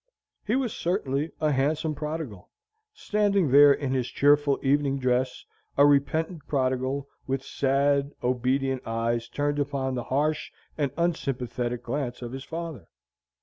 He was certainly a handsome prodigal, standing there in his cheerful evening dress, a repentant prodigal, with sad, obedient eyes turned upon the harsh and unsympathetic glance of his father.